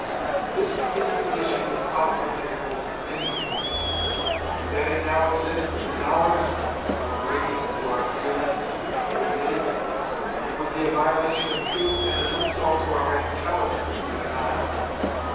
This disposition is awfully fearful in any community; and that it now exists in ours, though grating to our feelings to admit it, it would be a violation of truth and an insult to our intelligence to deny.